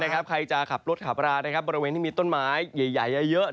ใครจะขับรถขับราบริเวณที่มีต้นไม้ใหญ่เยอะ